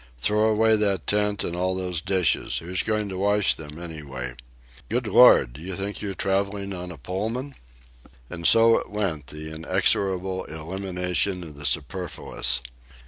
Throw away that tent, and all those dishes,—who's going to wash them, anyway? Good Lord, do you think you're travelling on a Pullman?" And so it went, the inexorable elimination of the superfluous.